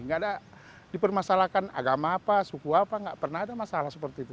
nggak ada dipermasalahkan agama apa suku apa nggak pernah ada masalah seperti itu